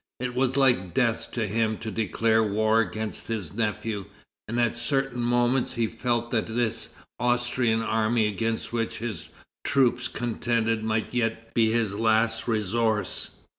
It was like death to him to declare war against his nephew, and at certain moments he felt that this Austrian army against which his troops contended might yet be his last resource.